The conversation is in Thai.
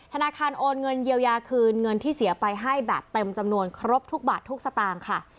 ธนาคารโอนเงินเยียวยาคืนเงินที่เสียไปให้แบบเต็มจำนวนครบทุกบาททุกสตางค์ค่ะ